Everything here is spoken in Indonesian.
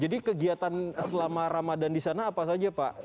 jadi kegiatan selama ramadhan di sana apa saja pak